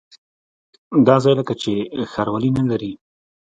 دا ځای لکه چې ښاروالي نه لري.